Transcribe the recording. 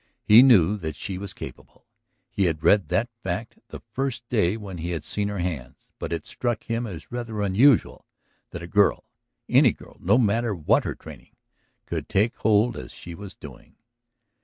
He knew that she was capable; he had read that fact the first day when he had seen her hands. But it struck him as rather unusual that a girl, any girl no matter what her training, should take hold as she was doing.